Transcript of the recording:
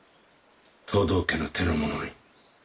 藤堂家の手の者に。